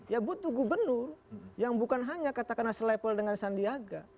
ya butuh gubernur yang bukan hanya katakanlah selepel dengan sandiaga